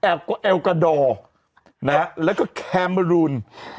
เอวกวาดอร์และแครมอรูน